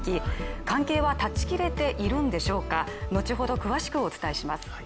関係は断ち切れているんでしょうか、後ほど詳しくお伝えします。